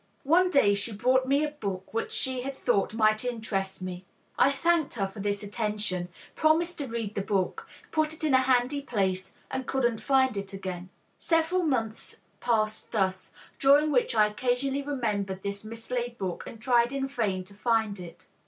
One day she brought me a book which she had thought might interest me. I thanked her for this attention, promised to read the book, put it in a handy place, and couldn't find it again. Several months passed thus, during which I occasionally remembered this mislaid book and tried in vain to find it.